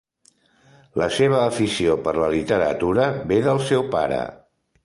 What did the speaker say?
La seva afició per la literatura ve del seu pare.